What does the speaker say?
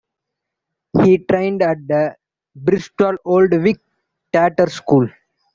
He trained at the Bristol Old Vic Theatre School.